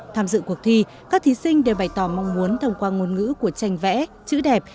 tham dự cuộc thi các thí sinh đều bày tỏ mong muốn thông qua ngôn ngữ của tranh vẽ chữ đẹp